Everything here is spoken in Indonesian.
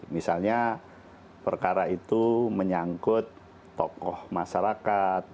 misalnya perkara itu menyangkut tokoh masyarakat